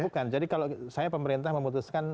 bukan jadi kalau saya pemerintah memutuskan